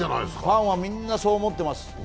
ファンはみんなそう思ってます。